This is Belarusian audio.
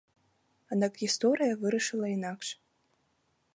Аднак гісторыя вырашыла інакш.